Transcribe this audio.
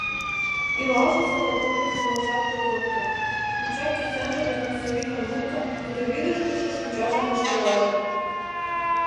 Илалше садоводын кумылжат тодылто, пинчак кӱсенже гыч носовикым луктын, тудо вӱдыжгышӧ шинчажым ӱштылале.